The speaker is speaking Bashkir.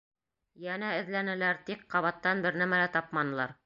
Йәнә эҙләнеләр, тик ҡабаттан бер нәмә лә тапманылар.